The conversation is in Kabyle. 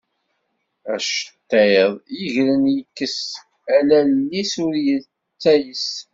Acettiḍ, yegren yekkes, a lall-is ur ttayes.